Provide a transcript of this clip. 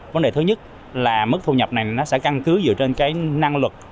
vấn đề thứ nhất là mức thu nhập này nó sẽ căn cứ dựa trên cái năng lực